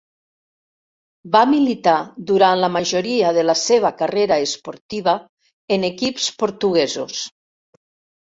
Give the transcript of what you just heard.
Va militar durant la majoria de la seva carrera esportiva en equips portuguesos.